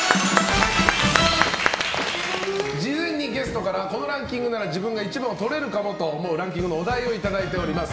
事前にゲストからこのランキングなら自分が１番をとれるかもと思うランキングのお題をいただいております。